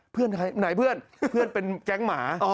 เพื่อนใครไหนเพื่อนเพื่อนเป็นแก๊งหมา